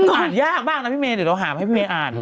อ่านยากบ้างนะพี่เมย์เดี๋ยวเราหามาให้พี่เมย์อ่าน